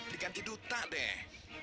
dikanti duta deh